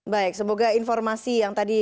baik semoga informasi yang tadi